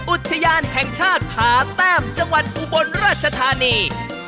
อุทยานแห่งชาติผาแต้มจังหวัดอุบลราชธานี